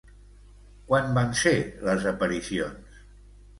Quan van ser les aparicions?